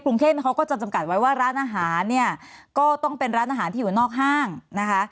กรุงเทพเขาก็จะจำกัดไว้ว่าร้านอาหารเนี่ยก็ต้องเป็นร้านอาหารที่อยู่นอกห้างนะคะ